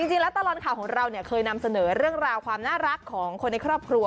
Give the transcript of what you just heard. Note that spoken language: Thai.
จริงแล้วตลอดข่าวของเราเนี่ยเคยนำเสนอเรื่องราวความน่ารักของคนในครอบครัว